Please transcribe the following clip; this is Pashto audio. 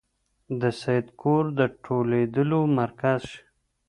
د سید کور د ټولېدلو مرکز شي.